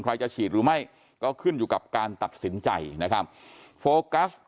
ใครจะฉีดหรือไม่ก็ขึ้นอยู่กับการตัดสินใจนะครับโฟกัส